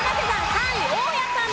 ３位大家さんです。